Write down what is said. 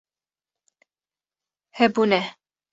Hebûne